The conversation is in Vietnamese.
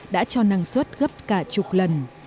đã cho năng suất gấp cả chục lần